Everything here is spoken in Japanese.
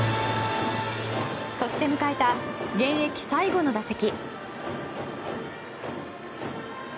そして迎えた現役最後の打席。